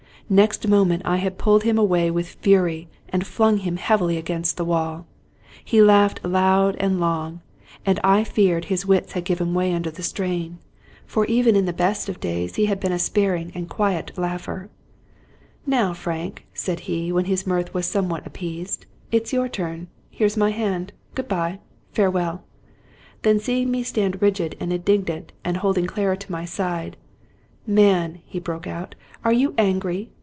Next mo ment I had pulled him away with fury, and flung him heavily against the wall. He laughed loud and long, and I feared his wits had given way under the strain ; for even 203 Scotch Mystery Stories in the best of days he had been a sparing and a quiet laugher. " Now, Frank," said he, when his mirth was somewhat appeased, "it's your turn. Here's my hand. Good bye, farewell I " Then, seeing me stand rigid and indignant, and holding Clara to my side —'* Man I " he broke out, " are you angry?